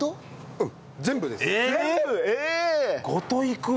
うん。